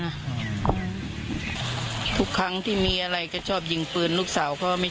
ทุกครั้งที่มีอะไรก็ชอบยิงปืนลูกสาวก็ไม่